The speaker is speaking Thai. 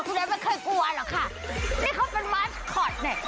คุณแดกไม่เคยกลัวหรอกค่ะนี่เขาเป็นเนี้ย